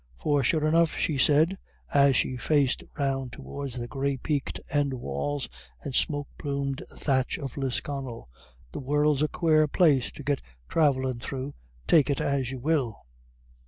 For sure enough," she said, as she faced round towards the grey peaked end walls, and smoke plumed thatch of Lisconnel, "the world's a quare place to get thravellin' thro', take it as you will."